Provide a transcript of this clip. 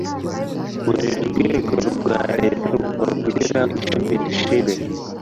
Buri rwego rwa Leta rugomba gushyiraho Ishami ribishinzwe